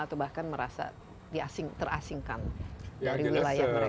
atau bahkan merasa terasingkan dari wilayah mereka